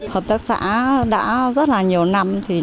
hợp tác xã đã rất là nhiều năm